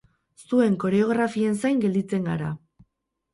Zuen koreografien zain gelditzen gara!